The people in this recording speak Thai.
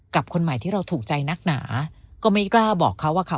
คนใหม่ที่เราถูกใจนักหนาก็ไม่กล้าบอกเขาอะค่ะ